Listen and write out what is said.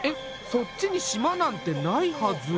そっちに島なんてないはず。